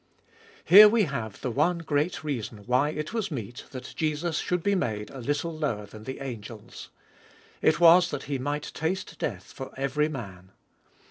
HERE we have the one great reason why it was meet that Jesus should be made a little lower than the angels. It was that He might taste death for every man.